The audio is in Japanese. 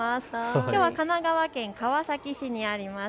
きょうは神奈川県川崎市にあります